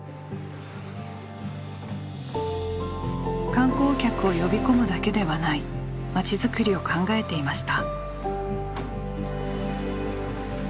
観光客を呼び込むだけではない街づくりを考えていました。